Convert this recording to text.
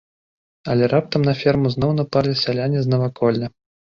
Але раптам на ферму зноў напалі сяляне з наваколля.